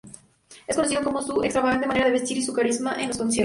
Es conocido por su extravagante manera de vestir y su carisma en los conciertos.